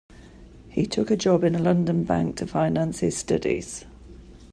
He took a job in a London bank to finance his studies.